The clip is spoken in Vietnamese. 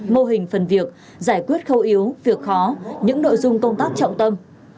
mô hình phần việc giải quyết khâu yếu việc khó những nội dung công tác trọng tâm